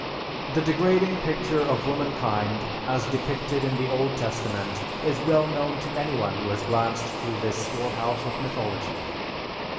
The degrading picture of womankind as depicted in the Old Testament is well known to anyone who has glanced through this storehouse of mythology.